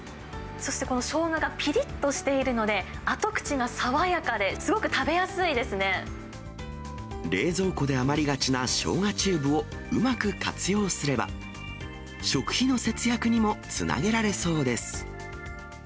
そしてこのしょうががぴりっとしているので、後口が爽やかで、冷蔵庫で余りがちなしょうがチューブをうまく活用すれば、食費の節約にもつなげられそうです。